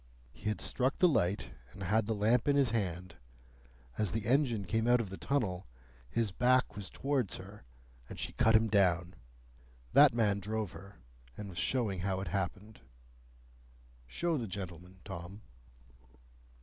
He had struck the light, and had the lamp in his hand. As the engine came out of the tunnel, his back was towards her, and she cut him down. That man drove her, and was showing how it happened. Show the gentleman, Tom."